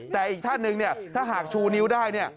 แต่อีกท่านหนึ่งถ้าหากชูนิ้วได้